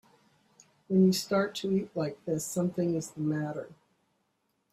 When you start to eat like this something is the matter.